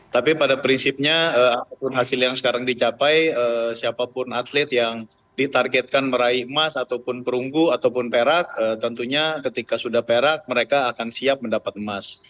tapi pada prinsipnya apapun hasil yang sekarang dicapai siapapun atlet yang ditargetkan meraih emas ataupun perunggu ataupun perak tentunya ketika sudah perak mereka akan siap mendapat emas